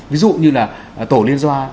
ví dụ như là tổ liên doa